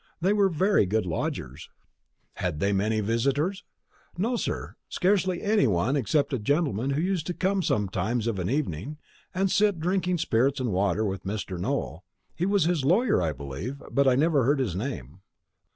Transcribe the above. They were very good lodgers." "Had they many visitors?" "No, sir; scarcely any one except a gentleman who used to come sometimes of an evening, and sit drinking spirits and water with Mr. Nowell; he was his lawyer, I believe, but I never heard his name."